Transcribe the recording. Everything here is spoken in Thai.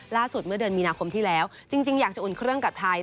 เมื่อเดือนมีนาคมที่แล้วจริงอยากจะอุ่นเครื่องกับไทย